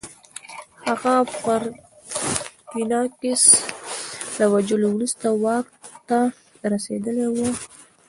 هغه پرتیناکس له وژلو وروسته واک ته رسېدلی و